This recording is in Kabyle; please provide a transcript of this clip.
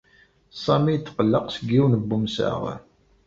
Sami yetqelleq seg yiwen n umsaɣ.